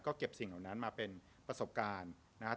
ก็เก็บสิ่งเหล่านั้นมาเป็นประสบการณ์นะครับ